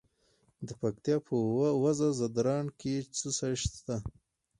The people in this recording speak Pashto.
د پکتیا په وزه ځدراڼ کې څه شی شته؟